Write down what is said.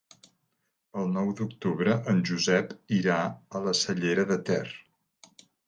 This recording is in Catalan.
El nou d'octubre en Josep irà a la Cellera de Ter.